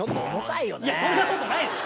いやそんなことないでしょ。